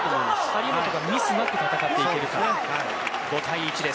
張本がミスなく戦っていけるか。